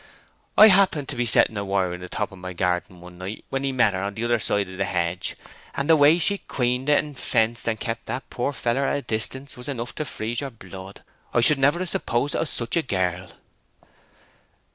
I happened to be setting a wire on the top of my garden one night when he met her on the other side of the hedge; and the way she queened it, and fenced, and kept that poor feller at a distance, was enough to freeze yer blood. I should never have supposed it of such a girl."